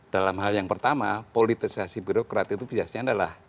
dalam hal yang pertama politisasi birokrat itu biasanya adalah